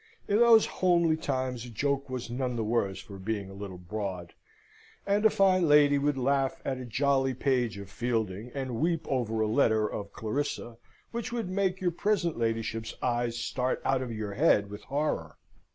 In those homely times a joke was none the worse for being a little broad; and a fine lady would laugh at a jolly page of Fielding, and weep over a letter of Clarissa, which would make your present ladyship's eyes start out of your head with horror.